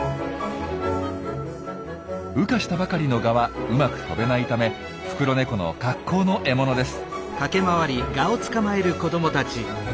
羽化したばかりのガはうまく飛べないためフクロネコの格好の獲物です。